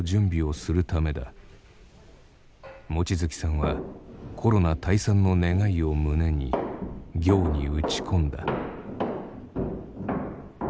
望月さんはコロナ退散の願いを胸に行に打ち込んだ。